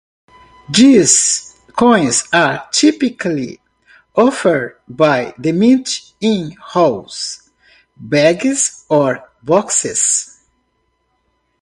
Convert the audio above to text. These coins are typically offered by the Mint in rolls, bags or boxes.